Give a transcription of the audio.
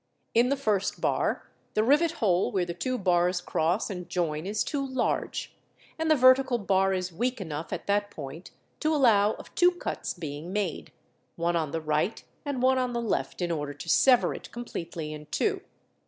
In the first bar the rivet hole where the two bars cross and join is too large, and the vertica a bar is weak enough at that point to allow of two cuts being made, one on the right and one on the left in order to sever it completely in two.